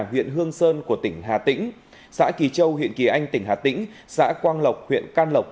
huyện hương sơn của tỉnh hà tĩnh xã kỳ châu huyện kỳ anh tỉnh hà tĩnh xã quang lộc huyện can lộc